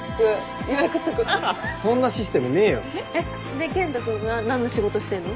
で健人君は何の仕事してんの？